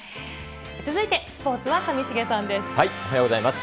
続いてスポーツは上重さんでおはようございます。